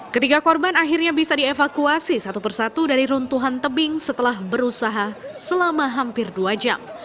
ketiga korban akhirnya bisa dievakuasi satu persatu dari runtuhan tebing setelah berusaha selama hampir dua jam